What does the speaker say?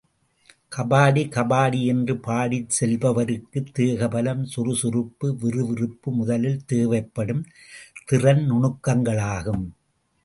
கபாடி கபாடி என்று பாடிச் செல்பவருக்கு தேக பலம், சுறுசுறுப்பு, விறுவிறுப்பு முதலில் தேவைப்படும் திறன் நுணுக்கங்களாகும்.